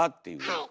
はい。